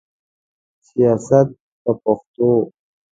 سیاست په پښتو.